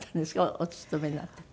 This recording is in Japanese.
お勤めになってて。